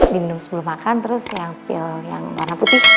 diminum sebelum makan terus yang pil yang warna putih